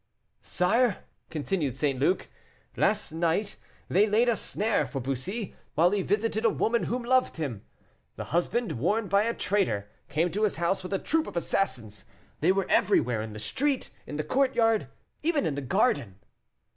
"Sire," continued St. Luc, "last night they laid a snare for Bussy, while he visited a woman who loved him; the husband, warned by a traitor, came to his house with a troop of assassins; they were everywhere in the street in the courtyard, even in the garden."